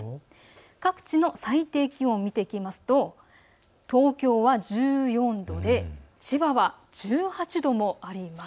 各地の最低気温を見ていきますと東京は１４度で千葉は１８度もあります。